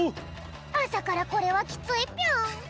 あさからこれはきついぴょん。